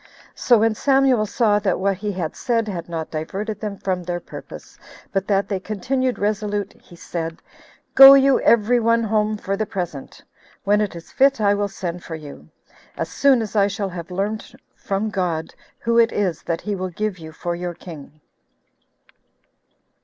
So when Samuel saw that what he had said had not diverted them from their purpose, but that they continued resolute, he said, "Go you every one home for the present; when it is fit I will send for you, as soon as I shall have learned from God who it is that he will give you for your king."